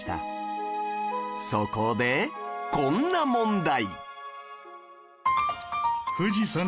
そこでこんな問題